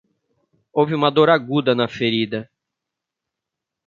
Houve uma dor aguda na ferida